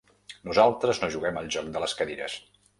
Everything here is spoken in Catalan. Nosaltres no juguem al joc de les cadires.